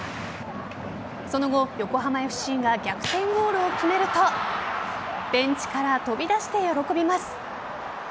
その後、横浜ＦＣが逆転ゴールを決めるとベンチから飛び出して喜びます。